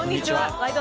「ワイド！